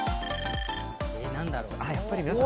え、何だろう？